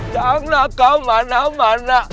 jangan ke mana mana